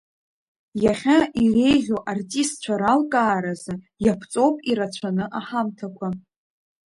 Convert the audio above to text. Иахьа иреиӷьу артистцәа ралкааразы иаԥҵоуп ирацәаны аҳамҭақәа.